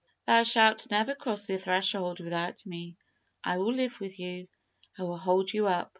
Thou shalt never cross this threshhold without me. I will live with you; I will hold you up."